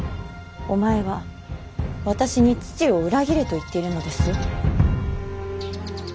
お前は私に父を裏切れと言っているのですよ。